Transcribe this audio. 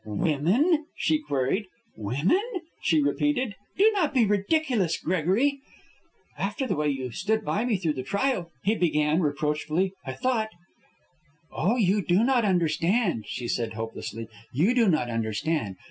"Women?" she queried. "Women?" she repeated. "Do not be ridiculous, Gregory." "After the way you stood by me through the trial," he began, reproachfully, "I thought " "Oh, you do not understand," she said, hopelessly. "You do not understand.